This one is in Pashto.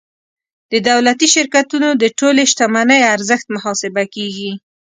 د دولتي شرکتونو د ټولې شتمنۍ ارزښت محاسبه کیږي.